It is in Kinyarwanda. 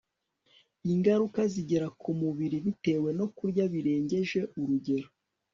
ingaruka zigera ku mubiri bitewe no kurya birengeje urugero